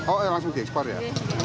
oh ya langsung diekspor ya